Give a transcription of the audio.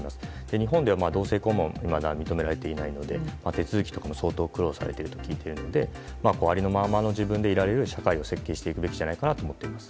日本では同性婚もいまだ認められていないので手続きとかも相当苦労されていると聞いているのでありのままの自分でいられるよう社会を設計していくべきだと思います。